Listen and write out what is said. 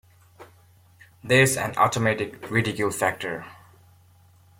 There's an automatic ridicule factor.